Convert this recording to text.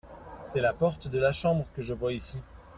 c'est la porte de la chambre que je vois ici.